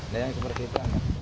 nah yang seperti itu